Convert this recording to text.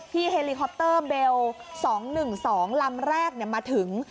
เฮลิคอปเตอร์เบล๒๑๒ลำแรกมาถึง